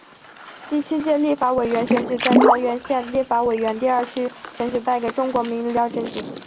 第七届立法委员选举在桃园县立法委员第二选举区败给中国国民党籍的廖正井。